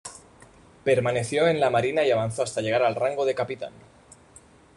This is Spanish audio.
Permaneció en la marina y avanzó hasta llegar al rango de capitán.